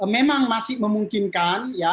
memang masih memungkinkan ya